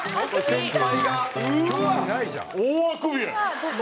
大あくびやん！